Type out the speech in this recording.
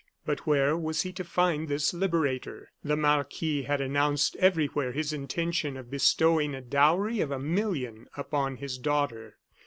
But where was he to find this liberator? The marquis had announced everywhere his intention of bestowing a dowry of a million upon his daughter.